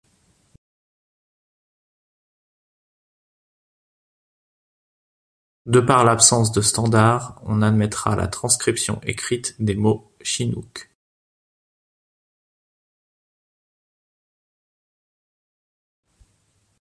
De par l'absence de standard, on admettra la transcription écrite des mots chinooks.